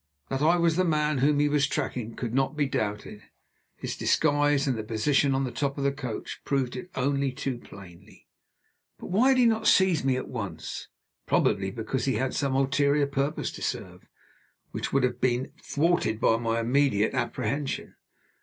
That I was the man whom he was tracking could not be doubted: his disguise and his position on the top of the coach proved it only too plainly. But why had he not seized me at once? Probably because he had some ulterior purpose to serve, which would have been thwarted by my immediate apprehension.